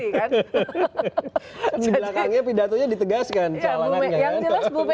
di belakangnya pidatunya ditegaskan calonannya